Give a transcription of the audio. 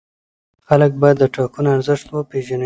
خلک باید د ټاکنو ارزښت وپېژني